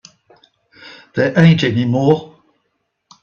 There ain't any more.